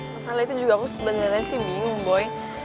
masalah itu juga aku sebenernya sih bingung boy